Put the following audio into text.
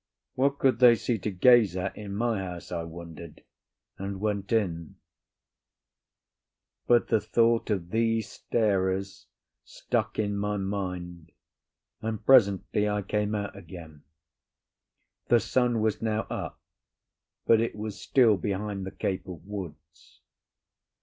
What could they see to gaze at in my house, I wondered, and went in. But the thought of these starers stuck in my mind, and presently I came out again. The sun was now up, but it was still behind the cape of woods.